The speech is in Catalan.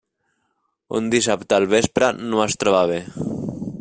Un dissabte al vespre no es troba bé.